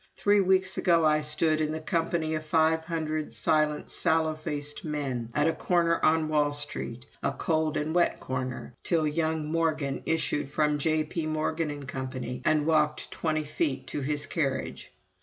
Three weeks ago I stood, in company with 500 silent, sallow faced men, at a corner on Wall Street, a cold and wet corner, till young Morgan issued from J.P. Morgan & Company, and walked 20 feet to his carriage.